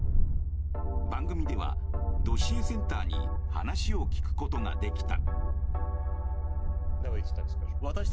番組ではドシエセンターに話を聞くことができた。